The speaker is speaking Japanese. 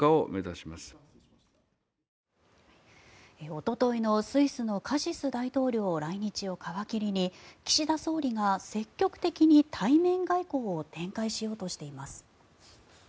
おとといのスイスのカシス大統領の来日を皮切りに岸田総理が積極的に対面外交を展開しようとしています。